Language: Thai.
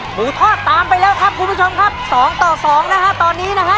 หมูทอดตามไปแล้วครับคุณผู้ชมครับสองต่อสองนะฮะตอนนี้นะฮะ